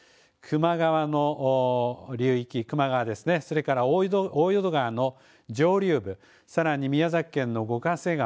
球磨川の流域、球磨川、それから大淀川の上流部、さらに宮崎県の五ヶ瀬川。